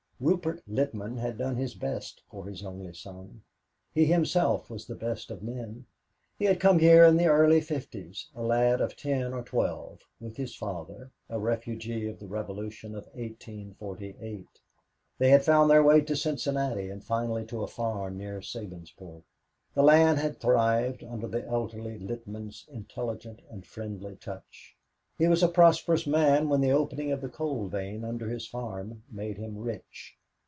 Rupert Littman had done his best for his only son. He himself was the best of men. He had come here in the early fifties a lad of ten or twelve, with his father, a refugee of the revolution of 1848. They had found their way to Cincinnati and finally to a farm near Sabinsport. The land had thrived under the elder Littman's intelligent and friendly touch. He was a prosperous man when the opening of the coal vein under his farm made him rich.